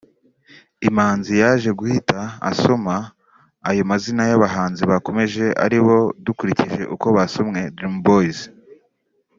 Imanzi yaje guhita asoma ayo mazina y’abahanzi bakomeje ari bo-dukurikije uko basomwe-Dream Boyz